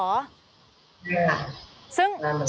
ใช่ค่ะ